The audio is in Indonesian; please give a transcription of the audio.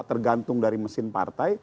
tergantung dari mesin partai